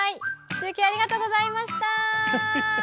中継ありがとうございました。